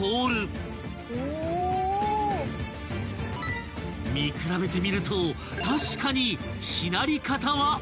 ［見比べてみると確かにしなり方は同じ］